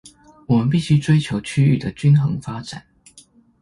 我們必須追求區域的均衡發展